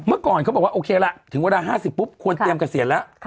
เมื่อก่อนเขาบอกว่าโอเคละถึงเวลา๕๐ปุ๊บควรเตรียมเกษียณแล้ว